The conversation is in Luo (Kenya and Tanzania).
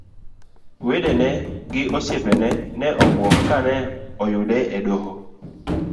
Wedene gi osiepene ne obuok kane oyude e doho.